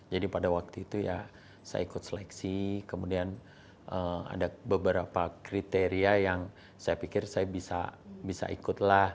jadi pada waktu itu saya ikut seleksi kemudian ada beberapa kriteria yang saya pikir bisa ikut